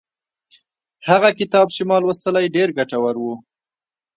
هغه کتاب چې ما لوستلی ډېر ګټور و.